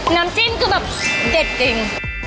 น้ำจิ้มคือแบบเด็ดจริง